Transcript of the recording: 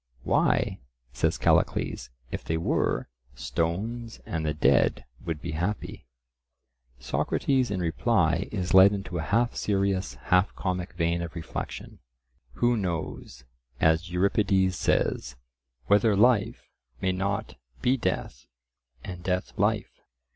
"Why," says Callicles, "if they were, stones and the dead would be happy." Socrates in reply is led into a half serious, half comic vein of reflection. "Who knows," as Euripides says, "whether life may not be death, and death life?"